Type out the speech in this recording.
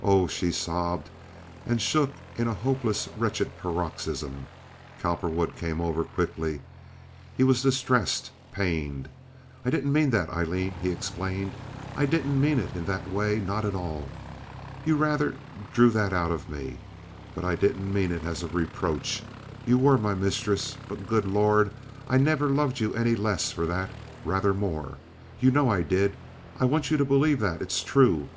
"Oh!" she sobbed, and shook in a hopeless, wretched paroxysm. Cowperwood came over quickly. He was distressed, pained. "I didn't mean that, Aileen," he explained. "I didn't mean it in that way—not at all. You rather drew that out of me; but I didn't mean it as a reproach. You were my mistress, but good Lord, I never loved you any the less for that—rather more. You know I did. I want you to believe that; it's true.